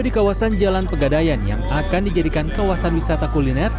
di kawasan jalan pegadayan yang akan dijadikan kawasan wisata kuliner